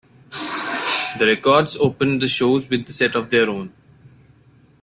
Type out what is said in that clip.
The Records opened the shows with a set of their own.